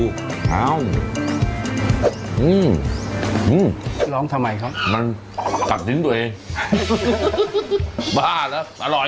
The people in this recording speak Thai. อื้อล้องทำไมครับมันกัดชิ้นตัวเองบ้านะอร่อย